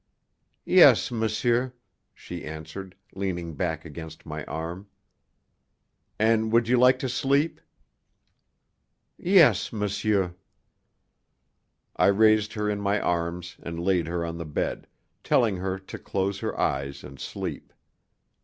"Yes, monsieur," she answered, leaning back against my arm. "And you would like to sleep?" "Yes, monsieur." I raised her in my arms and laid her on the bed, telling her to close her eyes and sleep.